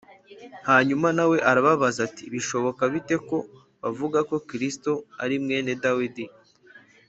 Hanyuma na we arababaza ati bishoboka bite ko bavuga ko Kristo ari mwene Dawidi